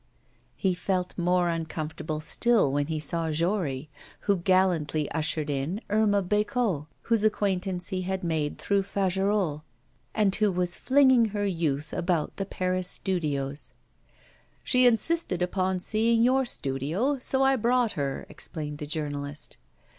He felt more uncomfortable still when he saw Jory, who gallantly ushered in Irma Bécot, whose acquaintance he had made through Fagerolles, and who was flinging her youth about the Paris studios. 'She insisted upon seeing your studio, so I brought her,' explained the journalist.